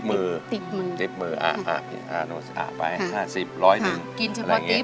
คือติ๊บมือติ๊บมืออ่ะอ่ะไปห้าสิบร้อยหนึ่งอะไรอย่างเงี้ย